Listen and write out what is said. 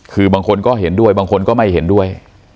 คือบางคนก็เห็นด้วยบางคนก็ไม่เห็นด้วย